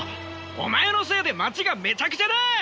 お前のせいで街がめちゃくちゃだ！